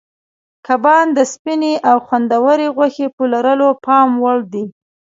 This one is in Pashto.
کبان د سپینې او خوندورې غوښې په لرلو پام وړ دي.